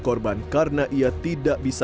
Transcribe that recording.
korban karena ia tidak bisa